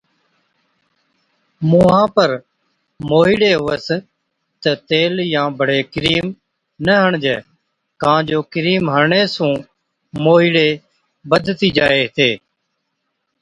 مُونهان پر موهِيڙي هُوَس تہ تيل يان بڙي ڪرِيم نہ هڻجَي ڪان جو ڪرِيم هڻڻي سُون موهِيڙي بڌتِي جائي هِتي۔